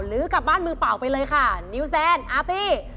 กลับบ้านมือเปล่าไปเลยค่ะนิวแซนอาร์ตี้